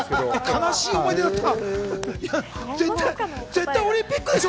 悲しい思い出だった。